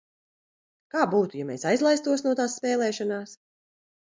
Kā būtu, ja mēs aizlaistos no tās spēlēšanās?